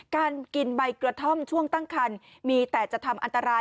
การกินใบกระท่อมช่วงตั้งคันมีแต่จะทำอันตราย